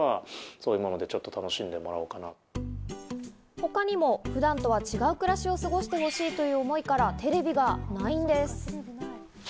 他にも普段とは違う暮らしを過ごしてほしいという思いからテレビがないんです。